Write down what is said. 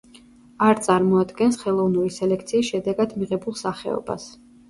არ წარმოადგენს ხელოვნური სელექციის შედეგად მიღებულ სახეობას.